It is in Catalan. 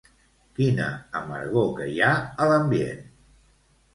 Quina amargor que hi ha a l'ambient